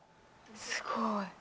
すごい。